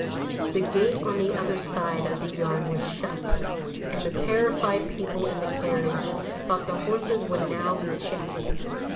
The gate on the other side of the yard was shut, and the terrified people in the carriage thought the horses would now be checked.